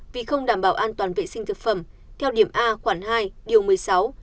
vì không đảm bảo an toàn vệ sinh thực phẩm theo điểm a khoảng hai điều một mươi sáu